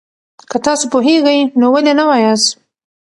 که تاسو پوهېږئ، نو ولې نه وایاست؟